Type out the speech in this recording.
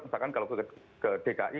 misalkan kalau ke dki